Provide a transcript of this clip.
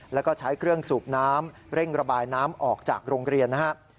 แล้วก็ใช้เครื่องสูบน้ำเร่งระบายน้ำออกจากโรงเรียนนะครับ